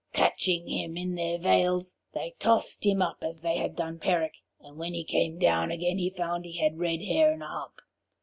Catching him in their veils, they tossed him up as they had done Peric, and when he came down again he found he had red hair and a hump.